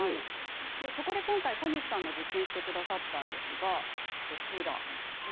そこで今回、小西さんが実験してくださったんですがこちら。